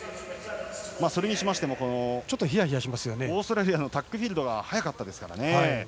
それにしてもオーストラリアのタックフィールドが速かったですからね。